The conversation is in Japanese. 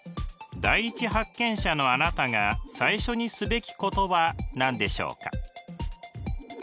第一発見者のあなたが最初にすべきことは何でしょうか？